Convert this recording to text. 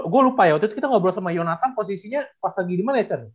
gue lupa ya waktu itu kita ngobrol sama yonatan posisinya pas lagi gimana